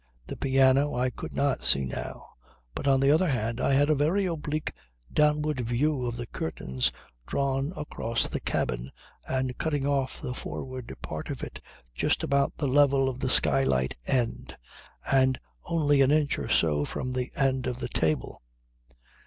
The piano I could not see now; but on the other hand I had a very oblique downward view of the curtains drawn across the cabin and cutting off the forward part of it just about the level of the skylight end and only an inch or so from the end of the table.